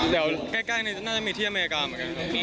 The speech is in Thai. เดี๋ยวใกล้หนึ่งน่าจะมีที่อเมริกามากันครับ